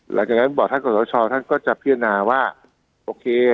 หลังจากนั้นบอกท่านกองทุนทอปศท่านก็จะเพียนนาว่าโอเค